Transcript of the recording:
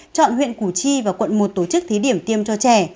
chọn huyện củ chi và quận một tổ chức thí điểm tiêm cho trẻ